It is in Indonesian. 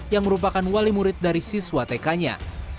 yang merupakan wali murid dari siswa tk nya